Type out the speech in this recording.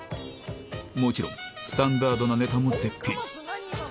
もちろん、スタンダードなねたも絶品。